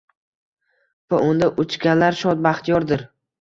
Va unda uchganlar shod-baxtiyordir